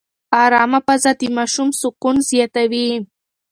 ارامه فضا د ماشوم سکون زیاتوي.